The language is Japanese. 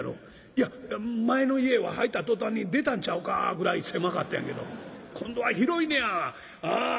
「いや前の家は入った途端に出たんちゃうかぐらい狭かったんやけど今度は広いねや。